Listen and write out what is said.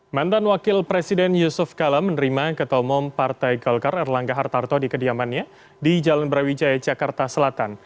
mantan wakil presiden yusuf kala menerima ketomom partai golkar erlangga hartarto di kediamannya di jalan brawijaya jakarta selatan